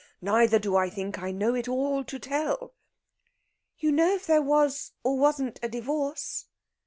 Neither do I think I know it all to tell." "You know if there was or wasn't a divorce?"